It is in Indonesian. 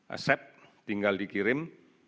accept tinggal dikirim